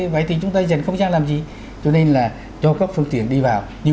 vậy thì chúng ta dành không dám làm gì cho nên là cho các phương tiện đi vào như